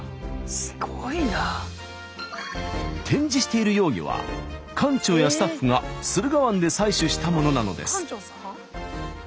すごいな。展示している幼魚は館長やスタッフが駿河湾で採取したものなのです。